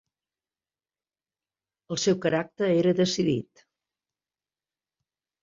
El seu caràcter era decidit.